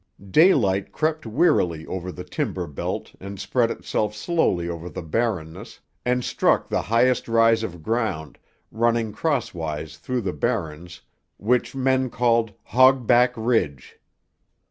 Daylight crept wearily over the timber belt and spread itself slowly over the barrenness, and struck the highest rise of ground, running crosswise through the barrens, which men called "Hog Back Ridge."